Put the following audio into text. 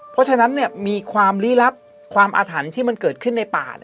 เพราะฉะนั้นมีความลี้ลับความอาถรรพ์ที่มันเกิดขึ้นในป่า